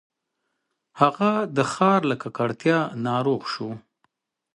هغه د ښار له ککړتیا ناروغ شو.